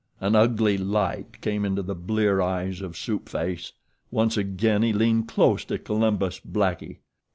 An ugly light came into the blear eyes of Soup Face. Once again he leaned close to Columbus Blackie.